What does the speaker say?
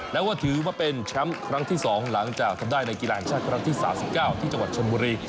และว่าถือว่าเป็นแชมป์ครั้งที่๒หลังจากทำได้ในกีฬาแห่งชาติครั้งที่๓๙ที่จังหวัดชนบุรี